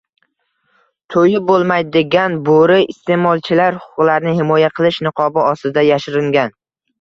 To'yib bo'lmaydigan bo'ri "iste'molchilar huquqlarini himoya qilish" niqobi ostida yashiringan